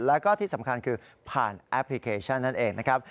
แล้วก็ที่สำคัญคือผ่านแอปพลิเคชันนั่นเองนะครับ